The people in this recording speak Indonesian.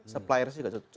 suppliers juga cukup tertutup